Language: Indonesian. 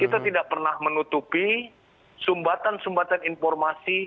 kita tidak pernah menutupi sumbatan sumbatan informasi